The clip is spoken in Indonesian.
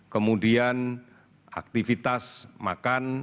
kemudian aktivitas makan